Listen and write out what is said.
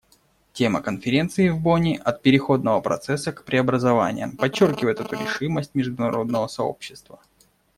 Тема Конференции в Бонне «От переходного процесса к преобразованиям» подчеркивает эту решимость международного сообщества.